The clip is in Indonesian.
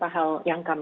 ada hal yang berbeda